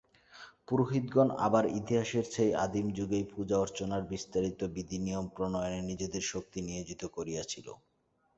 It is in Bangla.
পুরোহিতগণ আবার ইতিহাসের সেই আদিমযুগেই পূজা-অর্চনার বিস্তারিত বিধিনিয়ম-প্রণয়নে নিজেদের শক্তি নিয়োজিত করিয়াছিল।